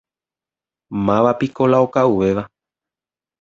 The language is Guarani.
Mávapiko la oka'uvéva.